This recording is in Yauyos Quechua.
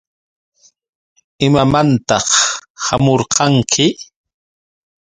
¿Imamantaq hamurqanki?